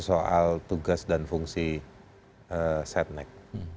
soal tugas dan fungsi setnek